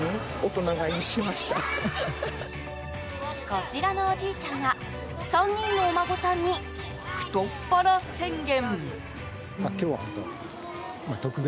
こちらのおじいちゃんは３人のお孫さんに太っ腹宣言。